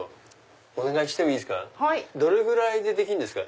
どれぐらいでできんですか？